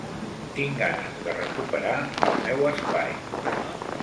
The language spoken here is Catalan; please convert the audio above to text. Tinc ganes de recuperar el meu espai.